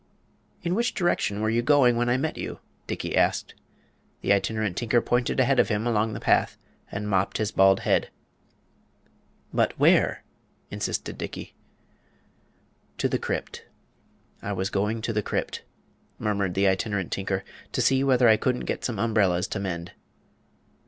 "In which direction were you going when I met you?" Dickey asked. The Itinerant Tinker pointed ahead of him along the path and mopped his bald head. "But where?" insisted Dickey. "To the Crypt. I was going to the Crypt," murmured the Itinerant Tinker, "to see whether I couldn't get some umbrellas to mend."